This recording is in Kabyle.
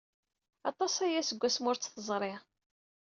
Aṭas aya seg wasmi ur t-teẓri.